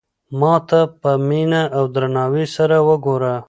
ما ته په مینه او درناوي سره وگوره.